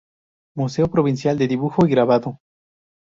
Museo Provincial de Dibujo y Grabado.